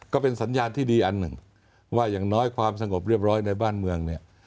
ก็เป็นสัญญาณที่ดีอันหนึ่งว่าอย่างน้อยความสงบเรียบร้อยในบ้านเมืองเนี่ย